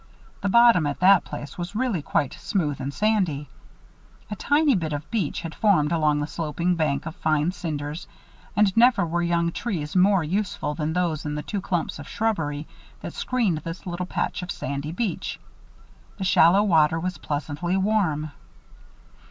The bottom at that place was really quite smooth and sandy. A tiny bit of beach had formed below the sloping bank of fine cinders and never were young trees more useful than those in the two clumps of shrubbery that screened this little patch of sandy beach. The shallow water was pleasantly warm.